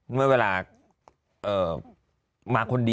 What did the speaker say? เมื่อเวลา